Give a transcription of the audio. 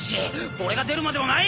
俺が出るまでもない。